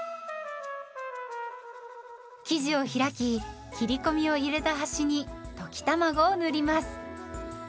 生地を開き切り込みを入れた端に溶き卵を塗ります。